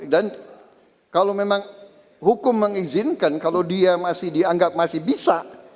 dan kalau memang hukum mengizinkan kalau dia masih dianggap masih bisa